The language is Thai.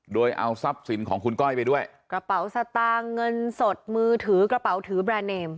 โดยเอาทรัพย์สินของคุณก้อยไปด้วยกระเป๋าสตางค์เงินสดมือถือกระเป๋าถือแบรนดเนม